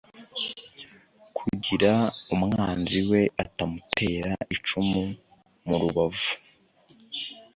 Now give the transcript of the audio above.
kugira umwanzi we atamutera icumu mu rubavu